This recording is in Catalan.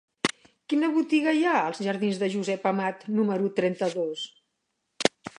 Quina botiga hi ha als jardins de Josep Amat número trenta-dos?